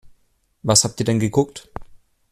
Was habt ihr denn geguckt?